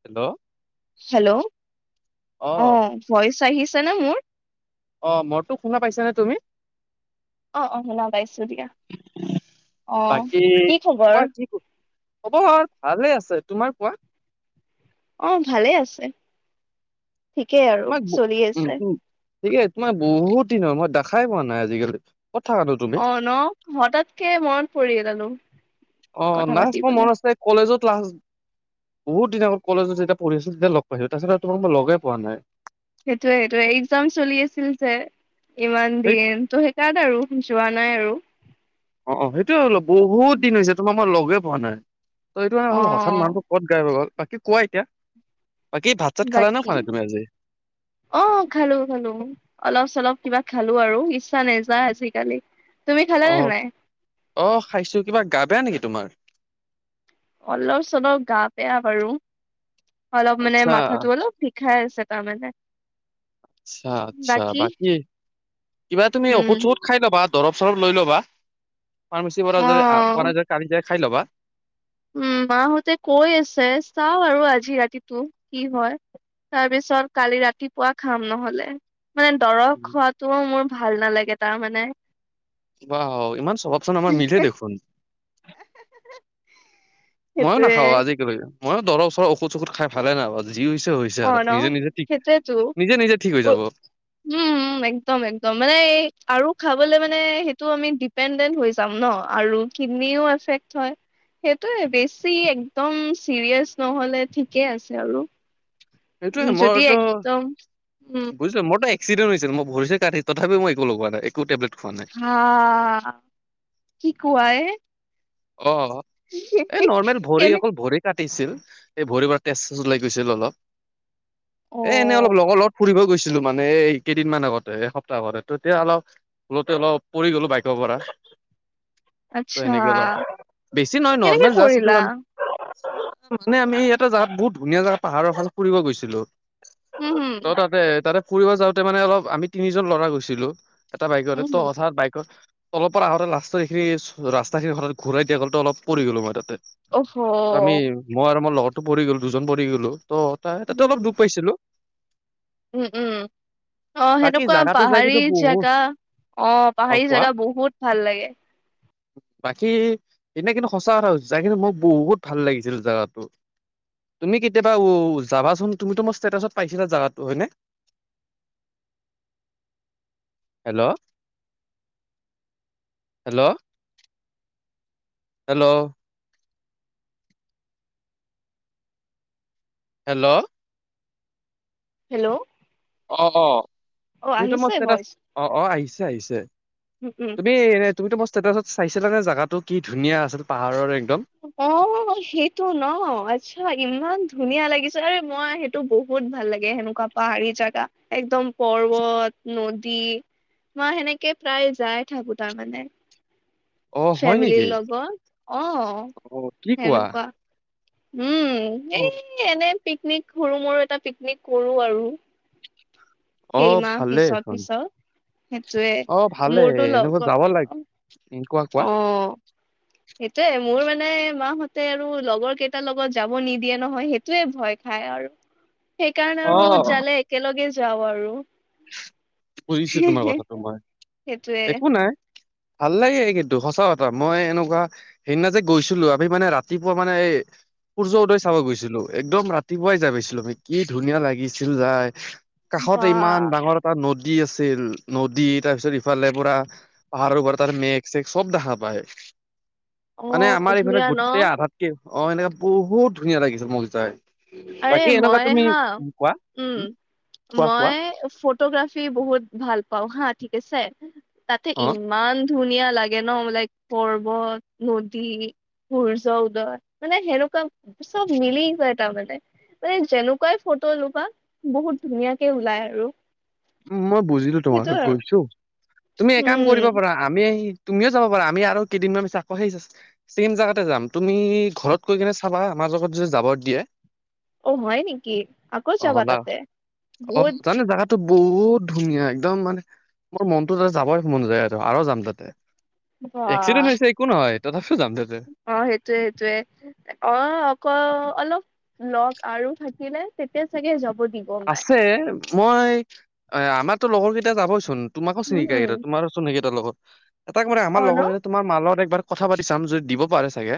Hello hello অ' voice আহিছে নে মোৰ। অ' মোৰটো শুনা পাইছানে তুমি? অ' অল বাইছো দিয়া অ বাকী কি কোৱা খবৰ কোৱা কি খবৰ ভালে আছে তোমাৰ কোৱা। অ' ভালেই আছে, ঠিকেই আৰু তোমাক ব- চলি উম আছে। উম ঠিকে তো মই বহুত দিননৰ হয় মই দেখাই পোৱা নাই আজিকালি ক'ত থাকানো তুমি অ ন হঠাৎকে মনত পৰিেলানো অ নাচ মোৰ মন আছে কলেজত লা বহুত দিনৰ আগত কলেজত যেতিয়াঢ়ি আোতিয়া লগ পাইছো তাৰিছত তোমাক ম লগে পোৱা নাই সেইটোোৱে সেইটোোৱে এক্সাম চলি আছিল যে ইমান সেই দিন তো সেইকাৰাত আৰু যোৱা নাই আৰু অ অ সেইটোয়ে হল বহুত দিন হৈছে তোমাৰ মই লগয় পোৱা নাই ত এইটো কাৰে অ হ'ল হঠাৎ মানুহটো ক'ত গাই ব বাকী কোৱা এতিয়া বাকী ভাত চাত খালা না বাকী ফানে তুমি আজি অ খালো খালো অলপ চলপ কিবা খালো আৰু ছাানজা আজিিকালি অ অ খাইছো কিবা গা বেয়া নেকি তোমাৰ অলপ চলপ গা বেয়া বাৰু অলপ মানে আচ্ছা মাথাাতো অলপ খাই আছ তমানানে আচ্ছা আচ্ছা বাকী কিবা তুমি উম ঔষুধ চঔষুধ খাই ল'বা দৰব চৰব লৈ ল'বা ফাৰ্মাচীৰ পৰা অ য প নাই য কি যাই খাই ল'বা উম মাহঁতে কৈ আছে চাও আৰু আজি ৰাতিটো কি হয় তাৰপিছত কালি ৰাতিপুৱা খাম নহলে মানে দৰৱ হোৱাতটোও মোৰ ভাল নালাগে তাৰ মানে বা ইমান স্বভাৱচোন আমাৰ মিলে দেখোন ময়ো সেইটোয়ে নাখাওঁ আজি কিব মই দৰ ওৰ ঔখ চখ খ ভালে নাই বজি যি হৈছে হৈছে অ আৰু ন নিজে নিজে ঠিক সেইটোয়েতো নিজে নিজে ঠিক হৈ উ যাব উম একদম একদম মানে এই আৰু খাল [inaudible] সেইটোৱে বেছি একদম চিৰিয়াচ নহলে ঠিকেই আছে আৰু উম, সেইটোয়ে যদি মইতো একদম উম বুজিলো মোৰতো এক্িডেণ্ট হৈ মইৰিছে কাটি তথাপি মই একো লগোৱা নাই একো টেবলেট খোৱা নাই হ কি কোৱা এ অ এই নৰ্মেল ভৰি কেনে অকল ভৰি কাট কাটিছিল এই ভৰিৰ পৰা তেজ চজ ওলাই গৈছিল অলপ হয় এ এনেই অলপ লগৰ লগত ফুৰিব গৈছিলো মানে এই কেইদিনমান আগতে এসপ্তাহ আগতে তেতিয়া অলপ ুলতে অলপ পৰি গলো বাইকৰ পৰা ত আচ্ছা সেনেকে অলপ বেছি নহয় কেনেকে নৰ্মেল জাষ্ট সেইটো পঢ়িলা কাৰণে মানে আমি ইটা জাগাত বহুত ধুনীয়া জগা পাহাৰৰ ফুৰিব গৈছিলো উম হম ত তাতে তাতে ফুৰিব যাওঁতে মানে অলপ আমি তিনিজন ল'ৰা গৈছিলো এটা বাইকৰ উম ত হম হঠাৎ বাইকৰ তলৰ পৰা আহঁতে লাষ্টৰ এইখিনি ৰাস্তা খিনি হ ঘূৰাই দিয়া গ'লো অলপ পৰি গ'লো মই তাতে অহ আমি মই আৰু ম লগ ো পৰি গলো দুজন পৰি গ'লো ত' তাতে উম অলপ হুম দুখ পাইছিলো উম উম অ বাকী সেনেকুৱা জাগাটো যাই পাহাৰী কিন্তু বহুত জেগা অ পাহাৰি জোগা বহুত ভাল লাগে বাকী সনে কিন্তু সঁচা কথা হৈছে জ কিন্তু মোৰ বহুত ভাল লাগিছিল জাগাো তুমি কেতিয়াবা উ যাবাচোন তুমো মোৰ ষ্টেচত পাইছিলা জটো হয়নে অ hello hello hello hello hello অ অ অ তুমিতো মোৰ আহিছে ষ্টেচ ভইচ অ অ আহিছে আহিছে উম উম তুমি তুমিতো মোৰ ষ্টেটাছত চাইছিলা নে জেগাটো কি ধুনীয়া আছিল পাহাৰৰ একদম অ সেইটো ন আচ্ছা ইমান ধুনীয়া লাগিছেৰে মই সেইটো বহুত ভাল লাগে সেনেকুৱা পাহাৰী জোগা একদম পৰ্ব নদী মই সেনেকে প্ৰায় যায় থাকো তাৰ মানে অ হয় ফেমিলিৰ নেকি? লগত অ অ কি কোৱা? সেনেকুৱা উম অ এই এনে পিকনিক সৰু মৰু এটা পিকনিক কৰো আৰু অ কেইমাহ ভালেই পিছত এখন পিছত সেইটোয়ে অ ভালেই মোৰতো এনেকুৱা লগৰ যাব লাগ অ সেইটোয়ে মোৰ মানে নাই মাহঁতে আৰু লগৰ কেইটাৰ লগত যাব নিদিয়ে নহয় সেইটোয়ে ভয় খাই আৰু সেইকাৰণে অ আৰু জালে একেলগে যাওঁ আৰু বুজিছো তোমাৰ কথাটো মই সেইটোৱে একো নাই ভাল লাগে কিন্তু সঁচা কথা মই এনেকুৱা সেইদিনা যে গৈছিলো আমি মানে ৰাতিপুৱা মানে সূৰ্য উদয় চাব গৈছিলো একদম ৰাতিপুৱাই যাব গৈছিলো আমি কি ধুনীয়া লাগিছিল যাই কাষত বা ইমান ডাঙৰ এটা নদী আছিল নদী তাৰ পিছত ইফালে পুৰা পাহাৰবাৰ তাৰ মেঘ চেগ চব দেখা পায় অ মানে আমাৰ এইফে ধুনীয়া ন গোটেই আধাতকে অ এনেকাে বহুত ধুনীয়া লাগিছিল মোক যাই আৰে বাকী এনেকুৱা মই তুমি হা উম কোৱা কোৱা মই ফ ফ্ৰাফি বহুত ভাল পাওঁ হা ঠিক আছে তাতে অ ইমান ধুনীয়া লাগে ন লাইক পৰ্বত নদী সূৰ্য উদৰ মানে সেনেুৱা চব মিলি কৰে তাৰ মানে মানে যেনেকুৱাই ফটো লবা বহুত ধুনীয়াকে ওলাই আৰু উ মই বুজিলো তোমাৰ সেইটো আৰু গৈছো তুমি এক কাম কৰিব উম পাৰা আমি আহি তুমিও যাব পাৰা আমি আৰু কেইদিনমানিছা আকৌ সেই চেম জাগগাতে যাম তুমি ঘৰত কৈ কিনে চাবা মাজত যদি জাবৰ দিয়ে অ হয় নেকি আকৌ অ চাবা না তাতে অ বহুত জানো জাগাটো বহুত ধুনীয়া একদম মানে মোৰ মনতো তাতে যাবই মন যায় আৰু যাম তাতে বা এক্সিডেণ্ট হৈছে একো নহয় তথাপি অ সেইটয়ে সেইটয়ে অ অক অলপ লগ আৰু থাকিলে তেতিয়া চাগে যাব দিব মায়ে আছে মই আমাৰো লগৰ কেইটা যাবচোন হম তোমাকোিনিকা হম এা তোমো চিনকিাৰ লগত এটা ক আমাৰ অ ন লগৰ তোমাৰ মালত একবাৰ কথা পাতি চাম যদি দিব পাৰে চাগে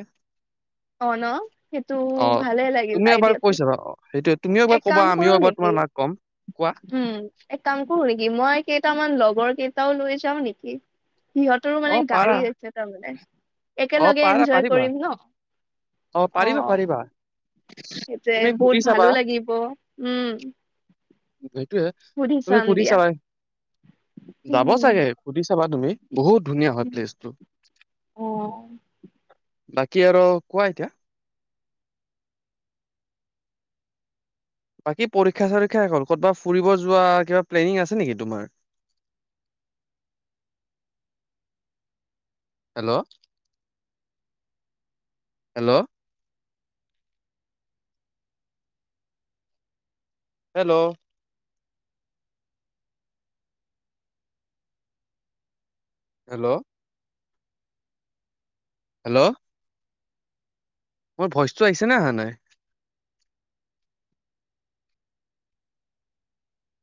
অ ন সেইটো অ ভালে লাগিল তুমি এবাৰ আইডিয়াটো কৈছাা অ সেইটোয়ে তুমিও এবাৰ এক কবা কাম আমিও কৰো এবাৰ নেকি তোমাৰ মাক ক'ম কোৱা উম এক কাম কৰো নেকি মই কেইটামান লগ বৰ কেইটাও লৈ যাও নেকি সিহঁতৰো অ মানে গাড়ী পাৰা আছে তাৰমানে অ একেলগে পাৰা এনজয় পাৰিবা কৰিম ন অ পাৰিবা পাৰিবা তুমি সেইটোোৱয়ে সুধি বহুত চাবা ভালো লাগিব উম সেইটোয়ে তুমি চাম সুধি দিয়া চাবা যাব উম চাগে সুধি চাবা তুমি বহুত ধুনীয়া হয় প্লেছটো অ বাকী আৰু কোৱা এতিয়া বাকী পৰীক্ষা চৰীক্ষা হল ক'ৰবাত ফুৰিব যোৱা কিবা প্লেনিং আছে নেকি তোমাৰ আ hello hello hello hello hello মোৰ ভইচটো আহিছে নে হ নাই